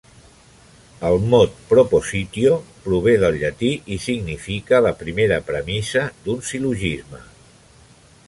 El mot "propositio" prové del llatí i significa la primera premissa d'un sil·logisme.